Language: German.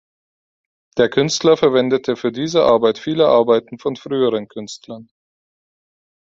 Der Künstler verwendete für diese Arbeit viele Arbeiten von früheren Künstlern.